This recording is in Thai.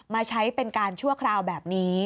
มาใช้เป็นการชั่วคราวแบบนี้